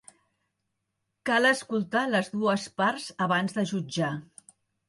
Cal escoltar les dues parts abans de jutjar.